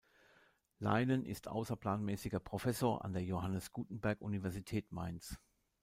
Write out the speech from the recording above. Leinen ist außerplanmäßiger Professor an der Johannes Gutenberg-Universität Mainz.